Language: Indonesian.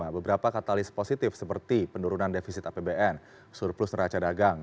beberapa katalis positif seperti penurunan defisit apbn surplus neraca dagang